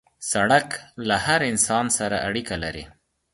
سړک له هر انسان سره اړیکه لري.